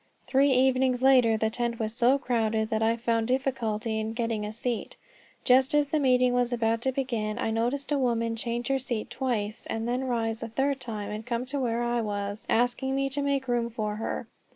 Three evenings later the tent was so crowded that I found difficulty in getting a seat. Just as the meeting was about to begin, I noticed a woman change her seat twice, and then rise a third time and come to where I was, asking me to make room for her.